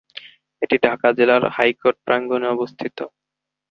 এটি ঢাকা জেলার হাইকোর্ট প্রাঙ্গনে অবস্থিত।